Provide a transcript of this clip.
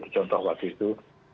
contoh waktu itu